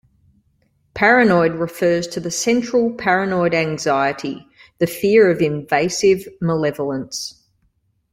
Paranoid refers to the central paranoid anxiety, the fear of invasive malevolence.